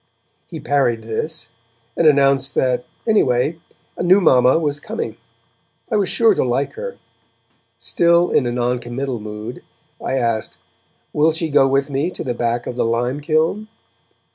He parried this, and announced that, anyway, a new mamma was coming; I was sure to like her. Still in a noncommittal mood, I asked: 'Will she go with me to the back of the lime kiln?'